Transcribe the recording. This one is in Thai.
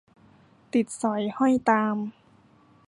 ติดสอยห้อยตาม